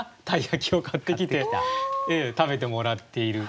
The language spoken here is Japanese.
鯛焼を買ってきて食べてもらっている。